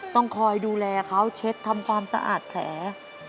ต้องคอยดูแลเขาเช็ดทำความสะอาดแผล